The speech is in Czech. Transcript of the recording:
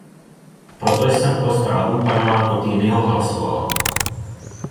Proto jsem pro zprávu pana Cottignyho hlasovala.